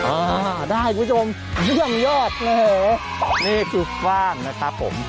อ่าได้คุณผู้ชมเรื่องยอดเลยนี่คือฟ่างนะครับผม